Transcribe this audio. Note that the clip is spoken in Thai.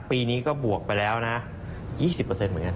ปีนี้ก็บวกไปแล้วนะ๒๐เหมือนกัน